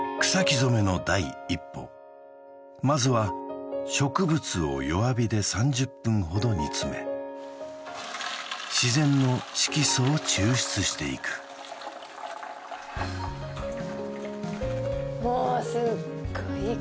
染めの第一歩まずは植物を弱火で３０分ほど煮詰め自然の色素を抽出していくもうすっごいいい